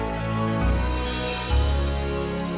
terima kasih abah